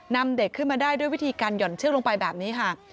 นำเด็กขึ้นมาได้ด้วยวิธีการหย่อนเชือกลงไปแบบนี้ค่ะ